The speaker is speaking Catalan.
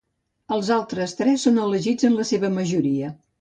Els altres tres són elegits en la seva majoria.